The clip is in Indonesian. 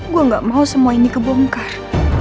gue gak mau semua ini kebongkar